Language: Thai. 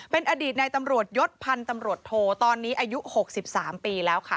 เป็นอดีตนายตำรวจยศพันธุ์ตอนนี้อายุ๖๓ปีแล้วค่ะ